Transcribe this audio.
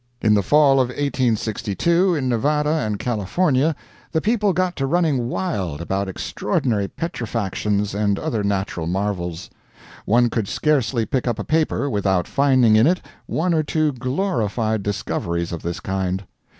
In the fall of 1862, in Nevada and California, the people got to running wild about extraordinary petrifactions and other natural marvels. One could scarcely pick up a paper without finding in it one or two glorified discoveries of this kind.